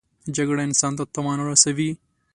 جګړه انسان ته تاوان رسوي